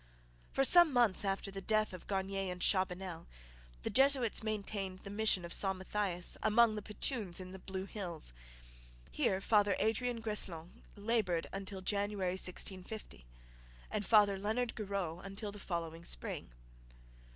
For some months after the death of Garnier and Chabanel the Jesuits maintained the mission of St Mathias among the Petuns in the Blue Hills. Here Father Adrien Greslon laboured until January 1650, and Father Leonard Garreau until the following spring.